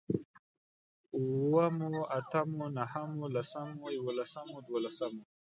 اوومو، اتمو، نهمو، لسمو، يوولسمو، دوولسمو